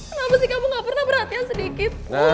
kenapa sih kamu nggak pernah berhati hati sedikit